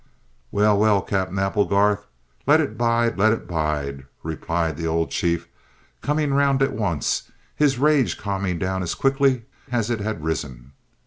"Well, well, Cap'en Applegarth, let it bide, let it bide," replied the old chief, coming round at once, his rage calming down as quickly as it had risen.